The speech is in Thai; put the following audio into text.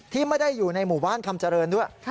ที่ไม่ได้อยู่ในหมู่บ้านคำเจริญด้วย